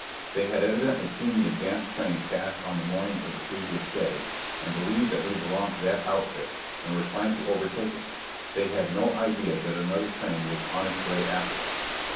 They had evidently seen the advance train pass on the morning of the previous day, and believed that we belonged to that outfit and were trying to overtake it; they had no idea that another train was on its way after us.